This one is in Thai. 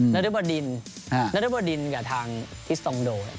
นรรุบดินกับทิสตองโด